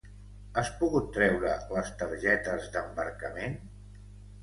Has pogut treure les targetes d'embarcament?